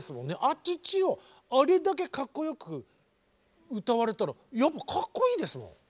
アチチをあれだけかっこよく歌われたらやっぱりかっこいいですもん。